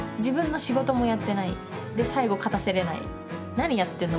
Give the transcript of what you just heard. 「何やってんの？」